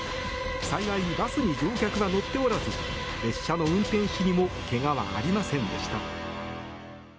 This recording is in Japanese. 幸い、バスに乗客は乗っておらず列車の運転士にもけがはありませんでした。